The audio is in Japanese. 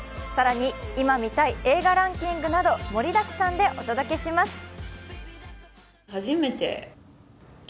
更に今見たい映画ランキングなど盛りだくさんでお届けします。